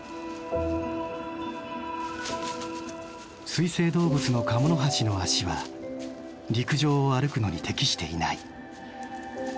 水生動物のカモノハシの足は陸上を歩くのに適していない。